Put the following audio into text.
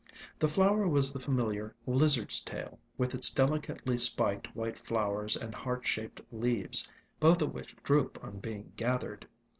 The flower was the familiar Lizard's Tail, with its delicately spiked white flowers and heart shaped leaves, both of which droop on being gathered.